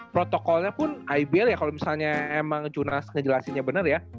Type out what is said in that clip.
protokolnya pun ibl ya kalo misalnya emang junas ngejelasinnya bener ya